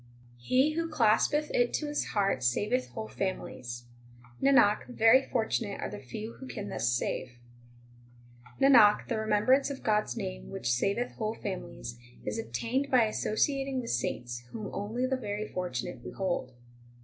He who claspeth it to his heart saveth whole families. Nanak, very fortunate are the few who can thus save. 21 Nanak, the remembrance of God s name which saveth whole families, Is obtained by associating with saints, whom only the very fortunate behold.